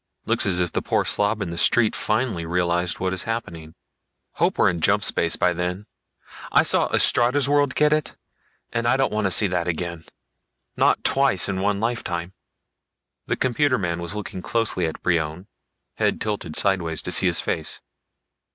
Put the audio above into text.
Looks as if the poor slob in the streets finally realized what is happening. Hope we're in jump space by then. I saw Estrada's World get it, and I don't want to see that again, not twice in one lifetime!" The computer man was looking closely at Brion, head tilted sideways to see his face.